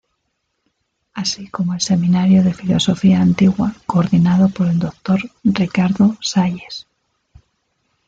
Así como el seminario de filosofía antigua coordinado por el Dr. Ricardo Salles.